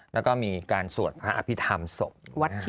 แล้วก็มีการสวดพระอภิษฐรรมศพ